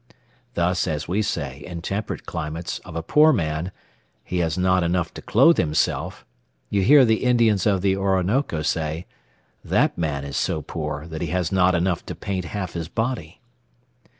Thus as we say, in temperate climates, of a poor man, "he has not enough to clothe himself," you hear the Indians of the Orinoco say, "that man is so poor, that he has not enough to paint half his body."